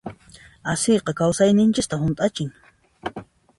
Asiyqa kawsayninchista hunt'achin.